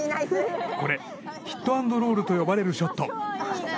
これ、ヒットアンドロールと呼ばれるショット。